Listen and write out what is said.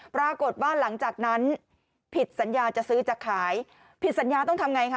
ปรากฏว่าหลังจากนั้นผิดสัญญาจะซื้อจะขายผิดสัญญาต้องทำไงคะ